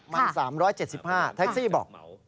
มัน๓๗๕แท็กซี่บอก